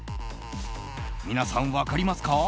皆さん、分かりますか？